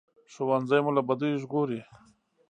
ښوونځی مو له بدیو ژغوري